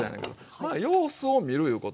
まあ様子を見るいうことですわ。